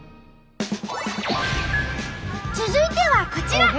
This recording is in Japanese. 続いてはこちら。